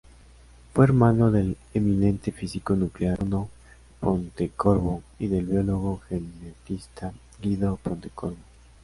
Fue hermano del eminente físico nuclear Bruno Pontecorvo y del biólogo genetista Guido Pontecorvo.